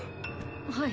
はい。